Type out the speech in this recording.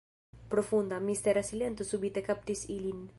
Profunda, mistera silento subite kaptis ilin.